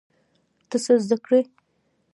ته څه زده کړې؟